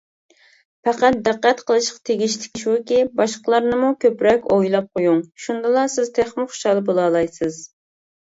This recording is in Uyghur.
پەقەت دىققەت قىلىشقا تېگىشلىكى شۇكى، باشقىلارنىمۇ كۆپرەك ئويلاپ قويۇڭ، شۇندىلا سىز تېخىمۇ خۇشال بولالايسىز.